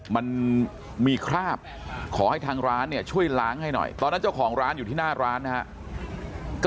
มันมีคราบขอให้ทางร้านเนี่ยช่วยล้างให้หน่อยตอนนั้นเจ้าของร้านอยู่ที่หน้าร้านนะครับ